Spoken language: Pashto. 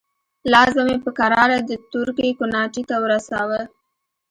لاس به مې په کراره د تورکي کوناټي ته ورساوه.